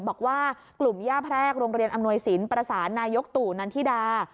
บอกว่ากลุ่มย่าแพรกโรงเรียนอำนวยสินประสานนายกตู่นันทิดา